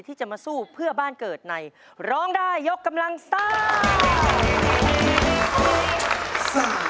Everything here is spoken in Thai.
ที่จะมาสู้เพื่อบ้านเกิดในร้องได้ยกกำลังซ่า